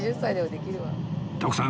徳さん